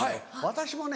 私もね